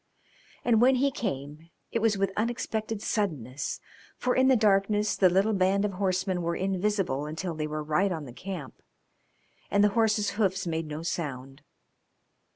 And when he came it was with unexpected suddenness, for, in the darkness, the little band of horsemen were invisible until they were right on the camp, and the horses' hoofs made no sound.